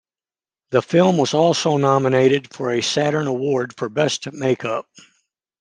The film was also nominated for a Saturn Award for Best Make-up.